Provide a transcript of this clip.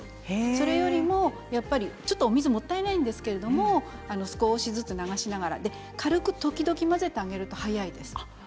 それよりも、お水はもったいないんですけれども少しずつ流しながら軽く時々混ぜてあげると早いです。